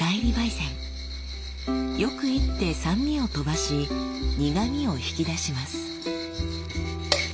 よく煎って酸味を飛ばし苦みを引き出します。